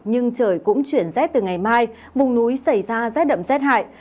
nhưng trời cũng chuyển rét từ ngày mai vùng núi xảy ra rét đậm rét hại